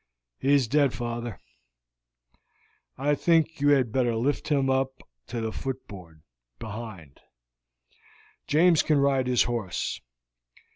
"He is dead, father." "I think you had better lift him up on the foot board behind; James can ride his horse.